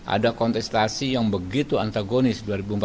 ada kontestasi yang begitu antagonis dua ribu empat belas dua ribu sembilan belas